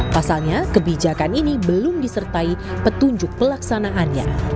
pasalnya kebijakan ini belum disertai petunjuk pelaksanaannya